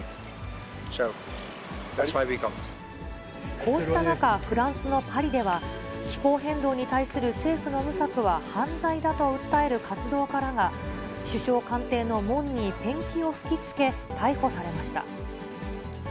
こうした中、フランスのパリでは、気候変動に対する政府の無策は犯罪だと訴える活動家らが、首相官邸の門にペンキを吹きつけ、逮捕されました。